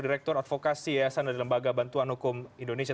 direktur advokasi yayasan dari lembaga bantuan hukum indonesia